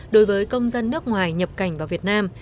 đối với công dân nước ngoài nhập cảnh vào việt nam